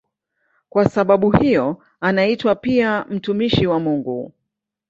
Kwa sababu hiyo anaitwa pia "mtumishi wa Mungu".